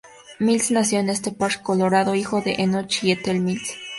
Mills nació en Estes Park, Colorado, hijo de Enoch y Ethel Mills.